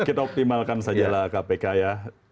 kita optimalkan sajalah kpk ya